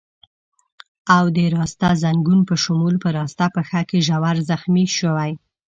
او د راسته ځنګون په شمول په راسته پښه کې ژور زخمي شوی.